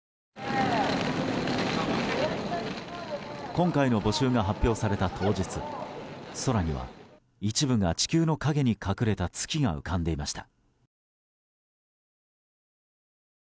今回の募集が発表された当日空には、一部が地球の陰に隠れた月が浮かんでいました。